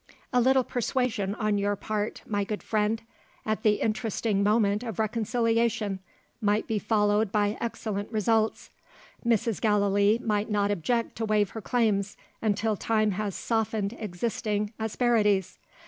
"A little persuasion on your part, my good friend at the interesting moment of reconciliation might be followed by excellent results. Mrs. Gallilee might not object to waive her claims, until time has softened existing asperities.